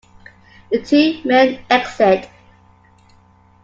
The two men exit.